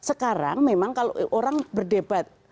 sekarang memang kalau orang berdebat